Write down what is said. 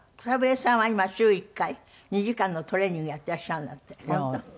草笛さんは今週１回２時間のトレーニングやってらっしゃるなんて本当？